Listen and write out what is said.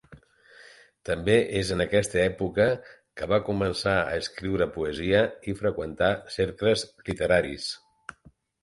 També és en aquesta època que va començar a escriure poesia i freqüentar cercles literaris.